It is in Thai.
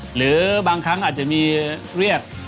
หรือบางครั้งอาจจะมีเรียก